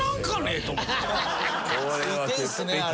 付いてるんすねあれ。